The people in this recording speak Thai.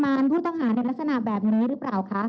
หมายถึงว่าเราได้มีการบันทึกจับกลุ่มเขาหรือหลังเกิดเหตุแล้วเนี่ย